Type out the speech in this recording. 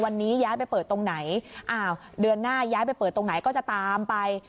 วันนี้ย้ายไปเปิดตรงไหนอ้าวเดือนหน้าย้ายไปเปิดตรงไหนก็จะตามไป